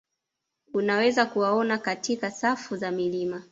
Unaweza kuwaona katika safu za milima